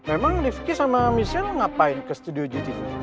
emang rifki sama michelle ngapain ke studio gtv